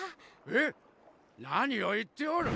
えっ何を言っておる！